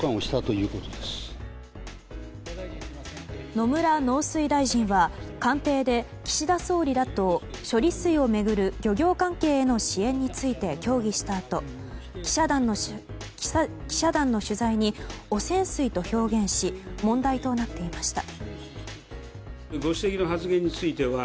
野村農水大臣は官邸で岸田総理らと処理水を巡る漁業関係への支援について協議したあと記者団の取材に汚染水と表現し問題となっていました。